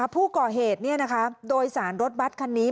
ผู้ก่อเหตุโดยสารรถบัตรคันนี้